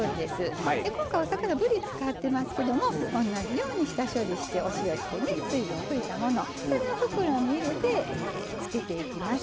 今回お魚ぶり使ってますけども同じように下処理してお塩してね水分を拭いたものそれを袋に入れて漬けていきます。